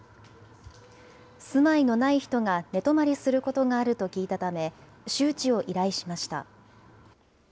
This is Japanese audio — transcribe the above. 住まいのない人が寝泊まりすることがあると聞いたため、周知を依頼しました。